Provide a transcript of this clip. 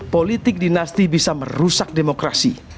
politik dinasti bisa merusak demokrasi